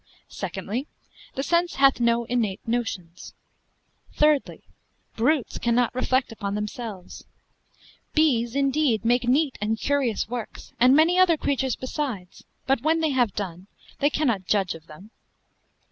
Secondly, the sense hath no innate notions. Thirdly, brutes cannot reflect upon themselves. Bees indeed make neat and curious works, and many other creatures besides; but when they have done, they cannot judge of them.